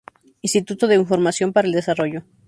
Instituto de Información para el Desarrollo.